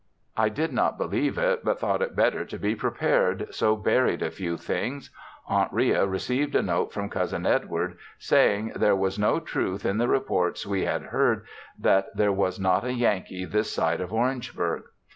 I did not believe it, but thought it better to be prepared, so buried a few things. Aunt Ria received a note from Cousin Edward saying there was no truth in the reports we had heard, that there was not a Yankee this side of Orangeburg.